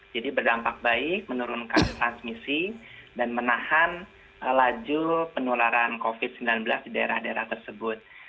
jadi berdampak baik menurunkan transmisi dan menahan laju penularan covid sembilan belas di daerah daerah tersebut